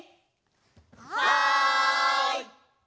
はい！